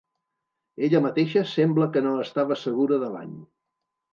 Ella mateixa sembla que no estava segura de l'any.